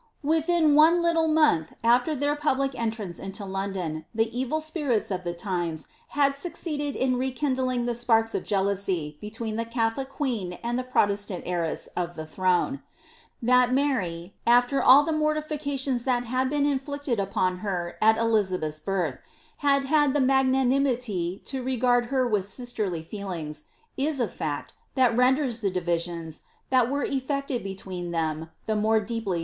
Within one little month after their public entrance into London, the evil spirits of the times had succeeded in rekindling the sparks oi jeal ousy between the Catholic queen and the Protestant heiress of the throne. That Mar}', afier all the mortifications that had been intlicted upon her at Elizabeth'*s birth, had had the magnanimity to regard her with sisterly feelings, is a fact, that renders the divisions, that were ef fected between them, the more deeply to be regretted.